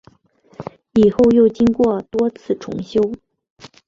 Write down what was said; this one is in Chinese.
以后又经过多次重修。